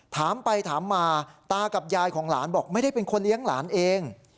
ถามไปถามมาตากับยายของหลานบอกไม่ได้เป็นคนเลี้ยงหลานเอง